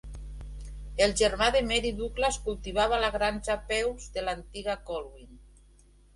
El germà de Mary Douglas cultivava la granja Peulws de l'antiga Colwyn.